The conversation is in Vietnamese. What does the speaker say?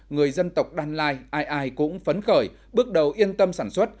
người dân tộc đan lai ai ai cũng phấn khởi bước đầu yên tâm sản xuất